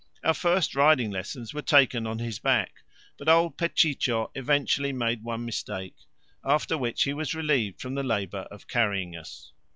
Our first riding lessons were taken on his back; but old Pechicho eventually made one mistake, after which he was relieved from the labour of carrying us.